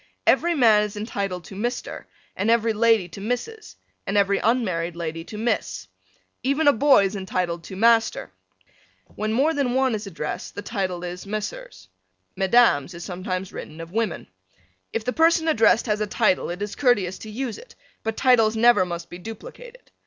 Every man is entitled to Mr. and every lady to Mrs. and every unmarried lady to Miss. Even a boy is entitled to Master. When more than one is addressed the title is Messrs. Mesdames is sometimes written of women. If the person addressed has a title it is courteous to use it, but titles never must be duplicated.